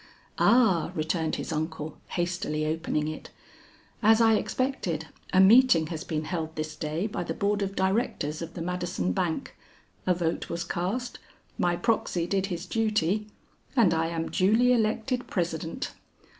"Ah," returned his uncle hastily opening it. "As I expected, a meeting has been held this day by the board of Directors of the Madison Bank, a vote was cast, my proxy did his duty and I am duly elected President.